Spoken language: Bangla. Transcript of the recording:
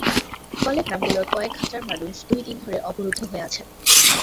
ফলে গ্রামগুলোর কয়েক হাজার মানুষ দুই দিন ধরে অবরুদ্ধ হয়ে আছেন।